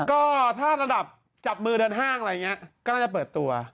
ก็ถ้าระดับจับมือเดินห้างอะไรอย่างนี้ก็น่าจะเปิดตัว